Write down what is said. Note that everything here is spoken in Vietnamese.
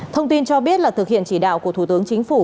thông tin cho biết là thực hiện chỉ đạo của thủ tướng chính phủ